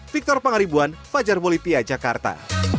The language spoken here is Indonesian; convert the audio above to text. victor pangaribuan fajar bolivia jakarta